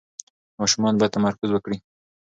ماشومان باید تمرکز وکړي.